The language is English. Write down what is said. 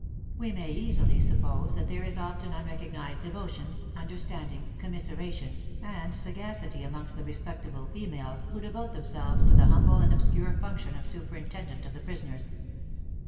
We may easily suppose that there is often unrecognised devotion, understanding, commiseration, and sagacity amongst the respectable females who devote themselves to the humble and obscure function of superintendent of the prisoners.